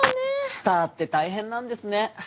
スターって大変なんですね。